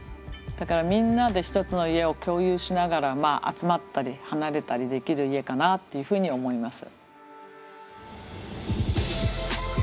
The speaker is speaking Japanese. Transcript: だからみんなで一つの家を共有しながら集まったり離れたりできる家かなというふうに思います。